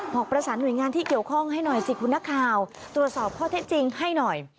บอกประสานหน่วยงานที่เกี่ยวข้องให้หน่อยสิคุณนักข่าวตรวจสอบข้อเท็จจริงให้หน่อย